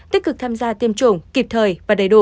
tích cực tham gia tiêm chủng kịp thời và đầy đủ